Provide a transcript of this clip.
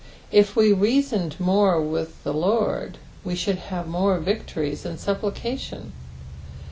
If we reasoned more with the Lord we should have more victories in supplication.